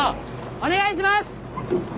お願いします！